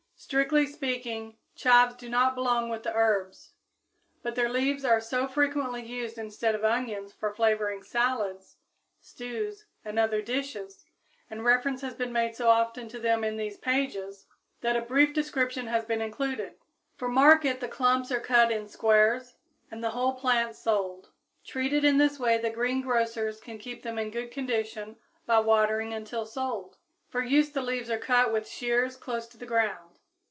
Strictly speaking, chives do not belong with the herbs, but their leaves are so frequently used instead of onions for flavoring salads, stews and other dishes, and reference has been so often made to them in these pages, that a brief description has been included. For market the clumps are cut in squares and the whole plant sold. Treated in this way the greengrocers can keep them in good condition by watering until sold. For use the leaves are cut with shears close to the ground.